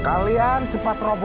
kalian cepat robohkan